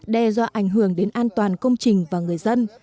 đe dọa ảnh hưởng đến an toàn công trình và người dân